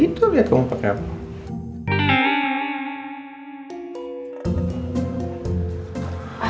itu lihat kamu pakai apa